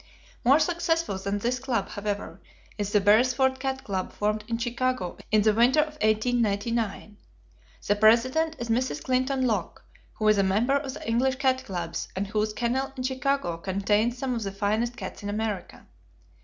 More successful than this club, however, is the Beresford Cat Club formed in Chicago in the winter of 1899. The president is Mrs. Clinton Locke, who is a member of the English cat clubs, and whose kennel in Chicago contains some of the finest cats in America.